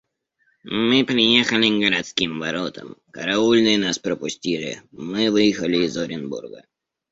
Мы приехали к городским воротам; караульные нас пропустили; мы выехали из Оренбурга.